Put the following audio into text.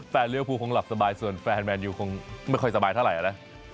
แฟนเรียลพูลคงหลับสบายส่วนแฟนแมนอยู่คงไม่ค่อยสบายเท่าไหร่